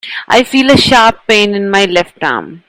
I feel a sharp pain in my left arm.